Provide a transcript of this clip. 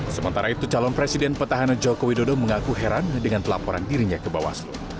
sementara itu calon presiden petahana jokowi dodo mengaku heran dengan pelaporan dirinya ke bawaslu